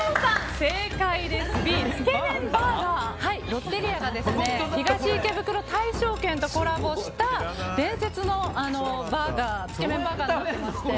ロッテリアが東池袋大勝軒とコラボした伝説のつけ麺バーガーになりまして。